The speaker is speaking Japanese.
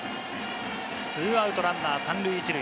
２アウトランナー３塁１塁。